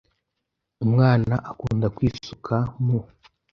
Umwana akunda kwisuka mu .